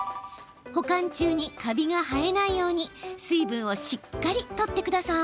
保管中にカビが生えないように水分をしっかり取ってください。